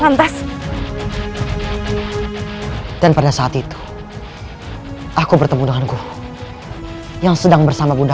lantas dan pada saat itu aku bertemu dengan guru yang sedang bersama bunda